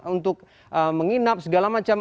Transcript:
untuk menginap segala macam